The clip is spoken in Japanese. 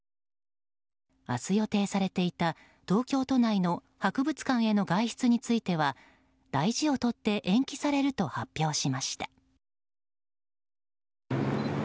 明日予定されていた、東京都内の博物館への外出については大事を取って延期されると発表しました。